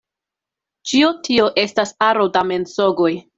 Ĉio tio estas aro da mensogoj.